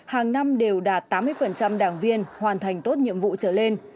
hàng năm đều đạt tám mươi đảng viên hoàn thành tốt nhiệm vụ trở lên